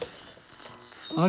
あれ？